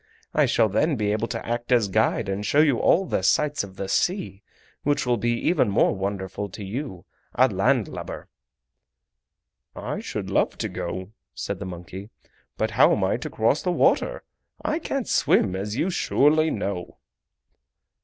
I shall then be able to act as guide and show you all the sights of the sea, which will be even more wonderful to you—a land lubber." "I should love to go," said the monkey, "but how am I to cross the water! I can't swim, as you surely know!"